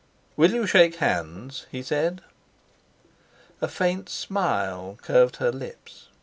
"Will you shake hands?" he said. A faint smile curved her lips.